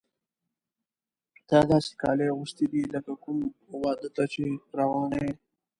تا داسې کالي اغوستي دي لکه کوم واده ته چې روانه یې.